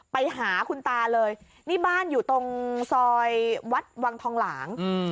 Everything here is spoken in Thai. ไปหาคุณตาเลยนี่บ้านอยู่ตรงซอยวัดวังทองหลาง